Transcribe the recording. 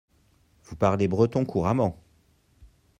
Vous parlez breton couramment.